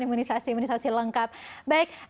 imunisasi imunisasi lengkap baik